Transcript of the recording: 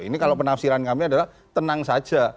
ini kalau penafsiran kami adalah tenang saja